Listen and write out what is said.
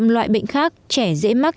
một mươi năm loại bệnh khác trẻ dễ mắc